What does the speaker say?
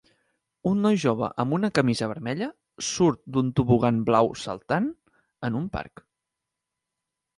Un noi jove amb una camisa vermella surt d'un tobogan blau saltant en un parc.